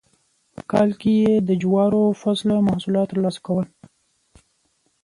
په کال کې یې د جوارو فصله محصولات ترلاسه کول.